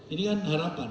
ini kan harapan